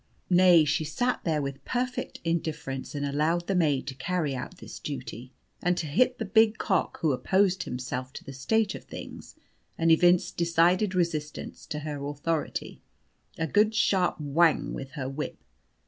Nay, she sat there with perfect indifference and allowed the maid to carry out this duty, and to hit the big cock (who opposed himself to the state of things and evinced decided resistance to her authority) a good sharp whang with her whip.